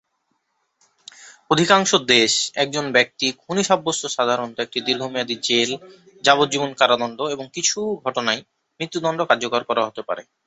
অধিকাংশ দেশে, একজন ব্যক্তি খুনি সাব্যস্ত সাধারণত একটি দীর্ঘমেয়াদী জেল, যাবজ্জীবন কারাদণ্ড; এবং কিছু ঘটনায় মৃত্যুদণ্ড কার্যকর করা হতে পারে।